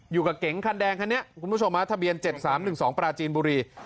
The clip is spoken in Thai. อยู่กับเก๋งคันแดงคันนี้คุณผู้ชมมาทะเบียนเจ็ดสามหนึ่งสองปราจีนบุรี